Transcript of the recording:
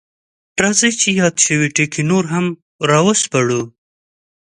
راځئ چې یاد شوي ټکي نور هم راوسپړو: